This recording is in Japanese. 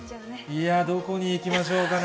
いや、どこに行きましょうかね。